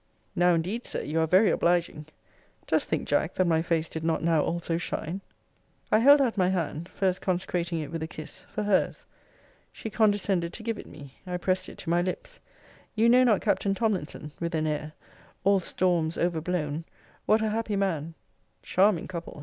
Now, indeed, Sir, you are very obliging. Dost think, Jack, that my face did not now also shine? I held out my hand, (first consecrating it with a kiss,) for her's. She condescended to give it me. I pressed it to my lips: You know not Captain Tomlinson, (with an air,) all storms overblown, what a happy man Charming couple!